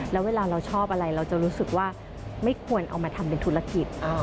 แล้วเวลาเราชอบอะไรเราจะรู้สึกว่าไม่ควรเอามาทำเป็นธุรกิจ